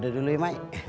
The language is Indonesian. udah dulu ya mai